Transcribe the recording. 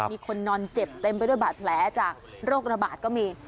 มีคนนอนเจ็บเต็มไปด้วยบาดแผลจากโรคระบาดก็มี